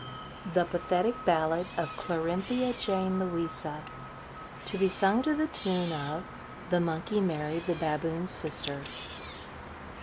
THE PATHETIC BALLAD OF CLARINTHIA JANE LOUISA. (_To be sung to the tune of "The Monkey married the Baboon's Sister."